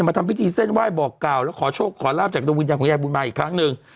ทำพิธีเส้นไหว้บอกกล่าวแล้วขอโชคขอลาบจากดวงวิญญาณของยายบุญมาอีกครั้งหนึ่ง